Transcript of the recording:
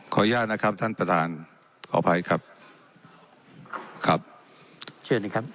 อนุญาตนะครับท่านประธานขออภัยครับครับเชิญนะครับ